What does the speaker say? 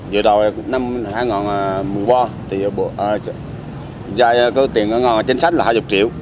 giờ đầu năm hai nghìn một mươi ba giá tiền ngon trên sách là hai mươi triệu